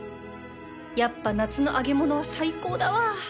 やっぱ夏の揚げ物は最高だわ！